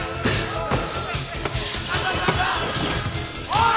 おい！